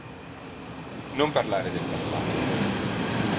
Non parlare del passato.